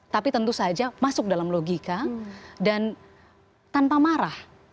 tapi tentu saja masuk dalam logika dan tanpa marah